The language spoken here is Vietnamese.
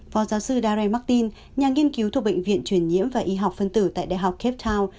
phó giáo sư daray martin nhà nghiên cứu thuộc bệnh viện truyền nhiễm và y học phân tử tại đại học cape town